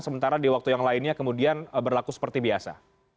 sementara di waktu yang lainnya kemudian berlaku seperti biasa